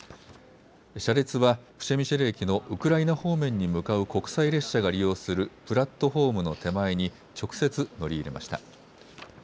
車列はプシェミシル駅のウクライナ方面に向かう国際列車が利用するプラットホームの手前に直接乗り入れました。